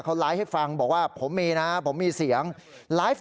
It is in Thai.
เขาไลฟ์ให้ฟังบอกว่าผมมีนะ